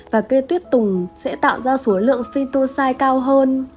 và cây tuyết tùng sẽ tạo ra số lượng phytoxai cao hơn